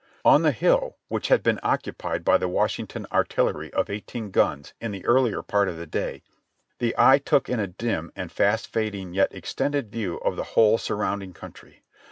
On the hill, which had been occupied by the Washington Artil lery of eighteen guns in the earlier part of the day, the eye took in a dim and fast fading yet extended view of the whole sur rounding country.